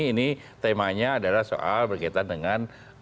ini temanya adalah soal berkaitan dengan